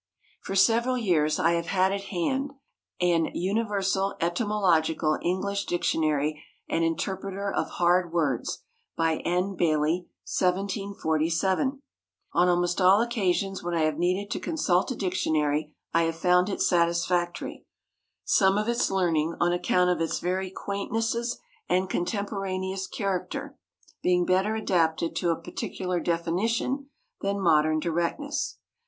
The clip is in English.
For several years I have had at hand "An Universal Etymological English Dictionary and Interpreter of Hard Words," by N. Bailey, 1747. On almost all occasions when I have needed to consult a dictionary I have found it satisfactory, some of its learning, on account of its very quaintnesses and contemporaneous character, being better adapted to a particular definition than modern directness.